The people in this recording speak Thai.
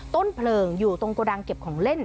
ต้นเพลิงอยู่ตรงโกดังเก็บของเล่น